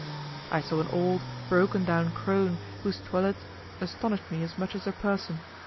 I saw an old, broken down crone whose toilet astonished me as much as her person.